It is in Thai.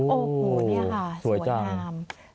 โอ้โหนี่ค่ะสวยจ้า